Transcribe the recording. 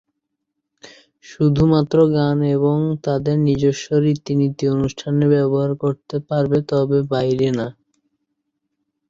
শুধু মাত্র গান এবং তাদের নিজস্ব রীতি-নীতি অনুষ্ঠানে ব্যবহার করতে পারবে তবে বাহিরে না।